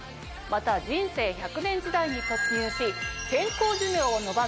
また人生１００年時代に突入し。